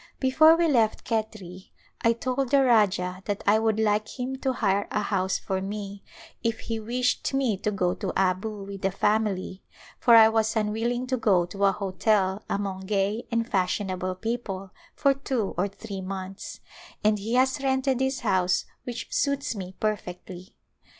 Before we left Khetri I told the Rajah that I would like him to hire a house for me if he wished me to go to Abu with the family for I was unwilling to go to a hotel among gay and fashionable people for two or three months, and he has rented this house which suits me perfectly.